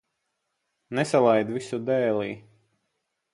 Nesalaid visu dēlī.